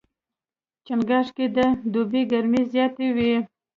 چنګاښ کې د دوبي ګرمۍ زیاتې وي.